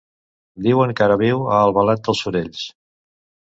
Diuen que ara viu a Albalat dels Sorells.